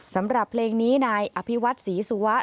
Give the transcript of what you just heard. สำหรับเพลงนี้นายอภิวัตศรีสุวะ